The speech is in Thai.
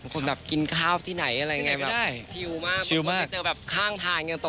คุณแบบกินข้าวที่ไหนอะไรไง